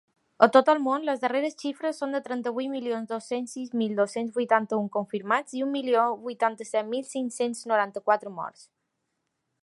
A tot el món, les darreres xifres són de trenta-vuit milions dos-cents sis mil dos-cents vuitanta-un confirmats i un milió vuitanta-set mil cinc-cents noranta-quatre morts.